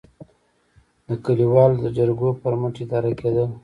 د کلیوالو د جرګو پر مټ اداره کېدل.